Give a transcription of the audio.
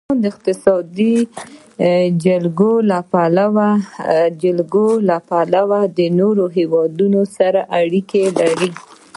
افغانستان د د افغانستان جلکو له پلوه له نورو هېوادونو سره اړیکې لري.